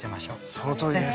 そのとおりです。